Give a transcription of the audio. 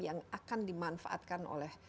yang akan dimanfaatkan oleh